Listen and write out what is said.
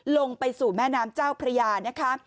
ลงไปสู่แม่น้ำเจ้าพระยานะคะ